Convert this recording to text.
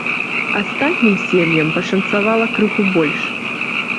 Астатнім сем'ям пашанцавала крыху больш.